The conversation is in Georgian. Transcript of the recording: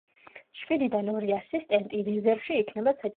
შვიდიდან ორი ასისტენტი რეზერვში იქნება საჭიროების შემთხვევისთვის.